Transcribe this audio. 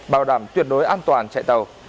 bảo đảm tuyệt đối an toàn chạy tàu